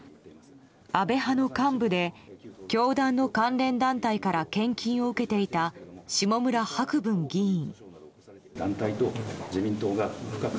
安倍派の幹部で教団の関連団体から献金を受けていた下村博文議員。